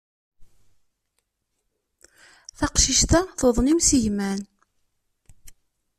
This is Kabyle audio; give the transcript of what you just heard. Taqcict-a tuḍen imsigman.